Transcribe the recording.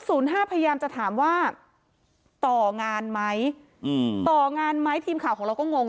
พยายามจะถามว่าต่องานไหมต่องานไหมทีมข่าวของเราก็งง